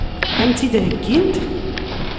Ad m-tt-id-heggint?